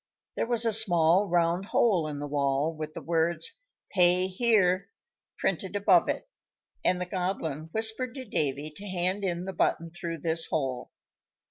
There was a small round hole in the wall, with the words "PAY HERE" printed above it, and the Goblin whispered to Davy to hand in the button through this hole.